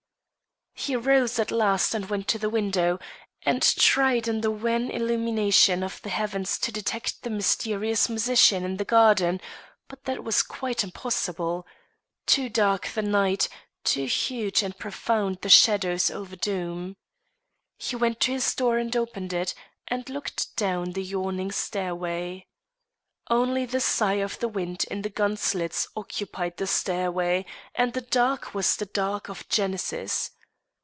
He rose at last and went to the window, and tried in the wan illumination of the heavens to detect the mysterious musician in the garden, but that was quite impossible: too dark the night, too huge and profound the shadows over Doom. He went to his door and opened it and looked down the yawning stairway; only the sigh of the wind in the gun slits occupied the stairway, and the dark was the dark of Genesis.